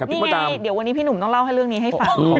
นี่ไงเดี๋ยววันนี้พี่หนุ่มต้องเล่าให้เรื่องนี้ให้ฟัง